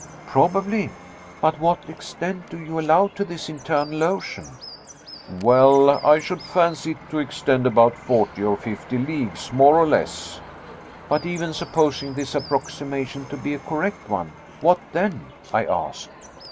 "Probably, but what extent do you allow to this internal ocean?" "Well, I should fancy it to extend about forty or fifty leagues more or less." "But even supposing this approximation to be a correct one what then?" I asked.